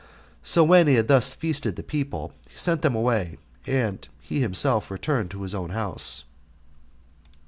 So when he had thus feasted the people, he sent them away, and he himself returned to his own house.